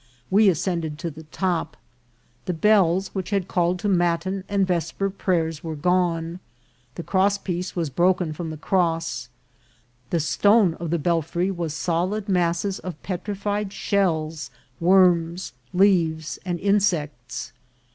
We ascended to the top. The bells which had called to matin and vesper prayers were gone ; the crosspiece was broken from the cross. The stone of the belfry was solid masses of petrified shells, worms, leaves, and insects.